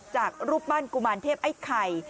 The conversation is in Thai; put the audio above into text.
รูปปั้นกุมารเทพไอ้ไข่